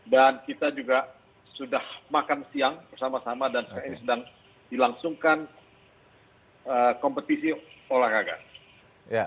kita juga sudah makan siang bersama sama dan sekarang ini sedang dilangsungkan kompetisi olahraga